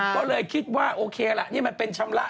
ก็เลยคิดว่าโอเคล่ะนี่มันเป็นชำระ